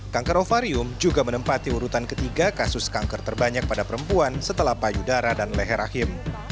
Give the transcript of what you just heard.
kanker ovarium juga menempati urutan ketiga kasus kanker terbanyak pada perempuan setelah payudara dan leher rahim